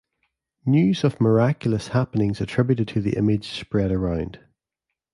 News of miraculous happenings attributed to the image spread around.